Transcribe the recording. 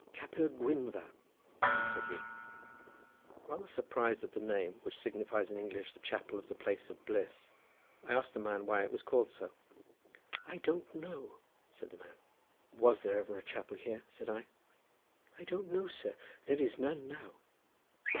"Capel Gwynfa," said he. Rather surprised at the name, which signifies in English the Chapel of the place of bliss, I asked the man why it was called so. "I don't know," said the man. "Was there ever a chapel here?" said I. "I don't know, sir; there is none now."